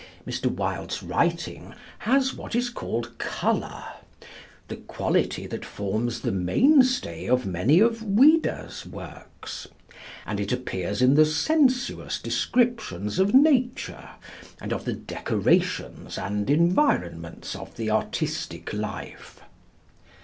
Mr. Wilde's writing has what is called "colour," the quality that forms the mainstay of many of Ouida's works, and it appears in the sensuous descriptions of nature and of the decorations and environments of the artistic life.